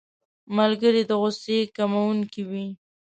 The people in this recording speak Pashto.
ملګری د غوسې کمونکی وي